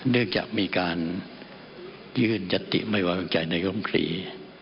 เนื่องจากมีการยื่นยัตติไม่ไว้วางใจในอภิปราย